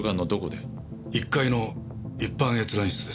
１階の一般閲覧室です。